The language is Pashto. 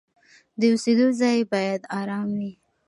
د اوسېدو ځای باید آرام وي.